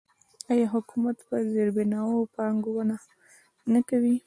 آیا حکومت په زیربناوو پانګونه نه کوي؟